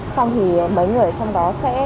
xong thì mấy người trong đó sẽ phím trước là